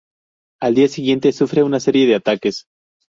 Al día siguiente sufre una serie de ataques.